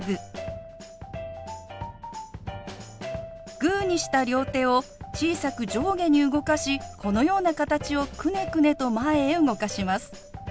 グーにした両手を小さく上下に動かしこのような形をくねくねと前へ動かします。